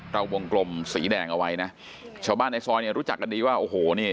วงกลมสีแดงเอาไว้นะชาวบ้านในซอยเนี่ยรู้จักกันดีว่าโอ้โหนี่